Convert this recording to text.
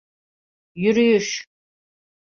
Yürüyüş…